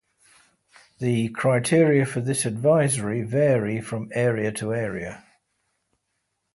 The criteria for this advisory vary from area to area.